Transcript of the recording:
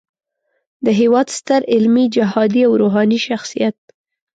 د هیواد ستر علمي، جهادي او روحاني شخصیت